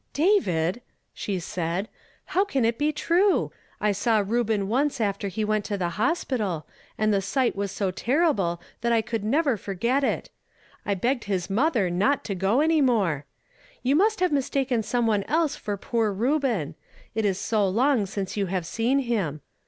"David!" she said, "how can that be true? I saw Reuben once after he went to the hospital, and the sight was so terrible that I could never forget it. X begged liis mother not to go any "r WILL NOT REFllAIN MY LIPS." 85 more. You must have mistaken some one else for poor Reuben ; it is so long since you have seen him.